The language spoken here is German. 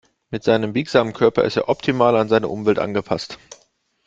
Mit seinem biegsamen Körper ist er optimal an seine Umwelt angepasst.